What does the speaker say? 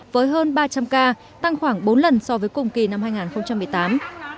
với hơn ba trăm linh ca tăng khoảng bốn lần so với cùng kỳ năm hai nghìn một mươi tám